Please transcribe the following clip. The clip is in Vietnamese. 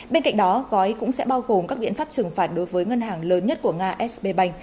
bên cạnh đó gói cũng sẽ bao gồm các biện pháp trừng phạt đối với ngân hàng lớn nhất của nga s b banh